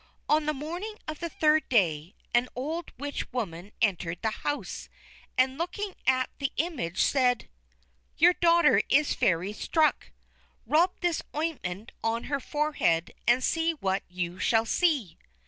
On the morning of the third day an old Witch woman entered the house, and looking at the image, said: "Your daughter is Fairy struck. Rub this ointment on her forehead, and see what you shall see!"